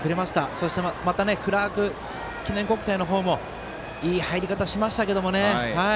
そしてまたクラーク記念国際の方もいい入り方しましたけどね。